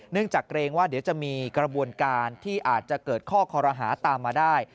จากเกรงว่าเดี๋ยวจะมีกระบวนการที่อาจจะเกิดข้อคอรหาตามมาได้